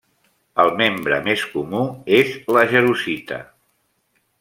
El membre més comú és la jarosita.